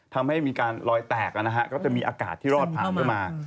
ทำให้มีการลอยแตกนะฮะก็จะมีอากาศที่รอดผ่านเข้ามา